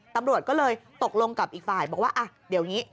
ตำรวจก็เลยตกลงกับอีกฝ่ายบอกว่าอ่ะเดี๋ยวอย่างนี้